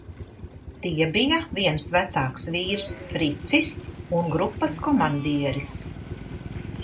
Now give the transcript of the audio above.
"Tie bija viens vecāks vīrs "Fricis" un grupas komandieris."